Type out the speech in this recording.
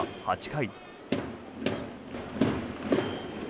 ８回。